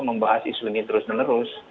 membahas isu ini terus menerus